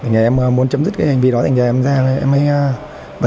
ngày em muốn chấm dứt cái hành vi đó ngày em ra